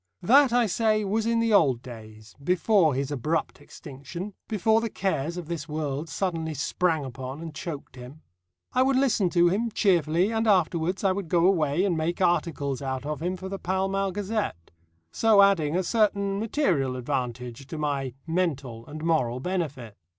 That, I say, was in the old days, before his abrupt extinction, before the cares of this world suddenly sprang upon, and choked him. I would listen to him, cheerfully, and afterwards I would go away and make articles out of him for the Pall Mall Gazette, so adding a certain material advantage to my mental and moral benefit.